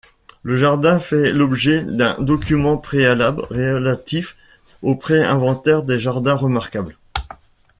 Le jardin fait l'objet d'un document préalable relatif au pré-inventaire des jardins remarquables.